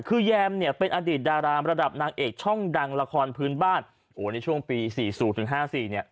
คือแยมเนี่ยเป็นอดีตดารามระดับนางเอกช่องดังละครพื้นบ้านโอ้ในช่วงปีสี่ศูนย์ถึงห้าสี่เนี่ย